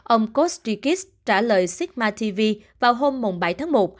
ông kostikis trả lời sigma tv vào hôm bảy tháng một